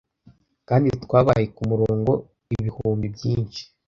Kandi twabaye kumurongo ibihumbi byinshi,